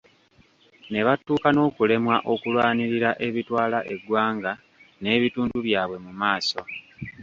Nebatuuka n'okulemwa okulwanirira ebitwala eggwanga n'ebitundu byabwe mu maaso.